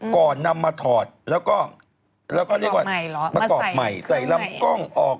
ก่อนนำมาถอดแล้วก็เรียกว่าประกอบใหม่ใส่ลำกล้องออก